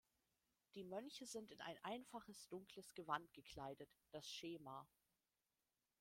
Die Mönche sind in ein einfaches, dunkles Gewand gekleidet, das Schema.